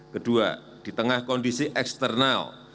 kedua di tengah kondisi eksternal